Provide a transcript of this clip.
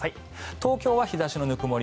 東京は日差しのぬくもり